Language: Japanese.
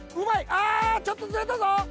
あぁちょっとずれたぞ！